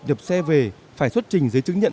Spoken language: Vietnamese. nhập xe về phải xuất trình giấy chứng nhận